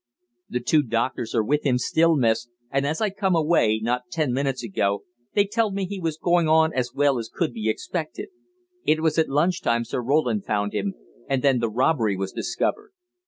"The two doctors are with him still, Miss, and as I come away, not ten minutes ago, they telled me he was goin' on as well as could be expected. It was at lunch time Sir Roland found him, and then the robbery was discovered.